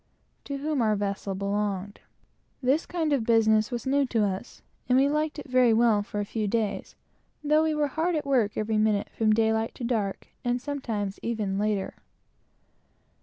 to whom our vessel belonged, and who have a permanent agent on the coast. This kind of business was new to us, and we liked it very well for a few days, though we were hard at work every minute from daylight to dark; and sometimes even later.